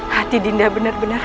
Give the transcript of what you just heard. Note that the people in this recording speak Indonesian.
hati dinda benar benar